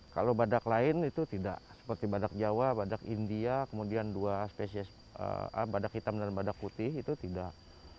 kalau badak lain itu tidak seperti badak jawa badak india kemudian dua spesies badak hitam dan badak putih itu tidak